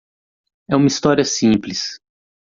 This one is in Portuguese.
É uma história simples.